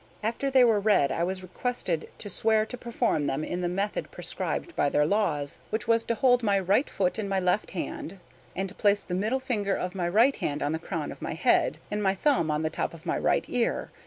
After they were read I was requested to swear to perform them in the method prescribed by their laws, which was to hold my right foot in my left hand, and to place the middle finger of my right hand on the crown of my head, and my thumb on the top of my right ear.